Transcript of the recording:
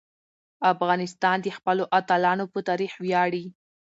افغانستان د خپلو اتلانو په تاریخ ویاړي.